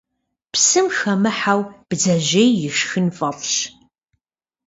Псым хэмыхьэу бдзэжьей ишхын фӀэфӀщ.